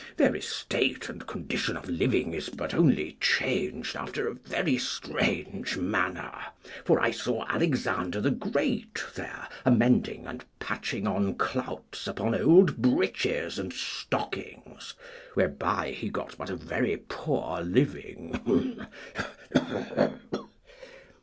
Their estate and condition of living is but only changed after a very strange manner; for I saw Alexander the Great there amending and patching on clouts upon old breeches and stockings, whereby he got but a very poor living.